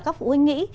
các phụ huynh nghĩ